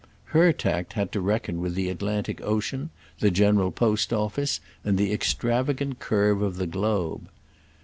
Her tact had to reckon with the Atlantic Ocean, the General Post Office and the extravagant curve of the globe.